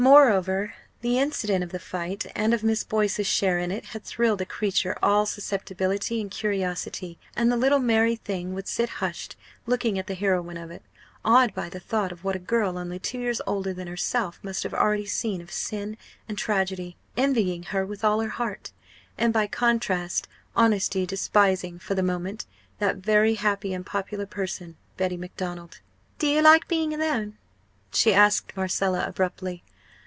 Moreover, the incident of the fight and of Miss Boyce's share in it had thrilled a creature all susceptibility and curiosity; and the little merry thing would sit hushed, looking at the heroine of it, awed by the thought of what a girl only two years older than herself must have already seen of sin and tragedy, envying her with all her heart, and by contrast honesty despising for the moment that very happy and popular person, Betty Macdonald! "Do you like being alone?" she asked Marcella, abruptly.